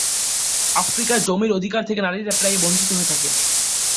আফ্রিকায় জমির অধিকার থেকে নারীরা প্রায়ই বঞ্চিত হয়ে থাকে।